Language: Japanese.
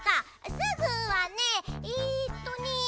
「すぐ」はねえっとね。